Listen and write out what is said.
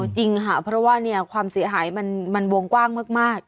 จริงค่ะเพราะว่าความเสียหายมันวงกว้างมาก